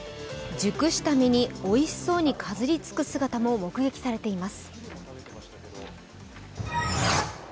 熟した実においしそうにかじりつく姿も目撃されています。